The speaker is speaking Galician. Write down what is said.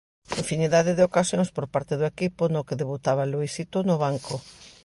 Infinidade de ocasións por parte do equipo no que debutaba Luisito no banco.